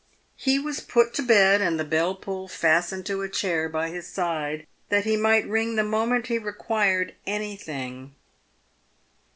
He was put to bed, and the bell pull fastened to a chair by his side, that he might ring the moment he required anything.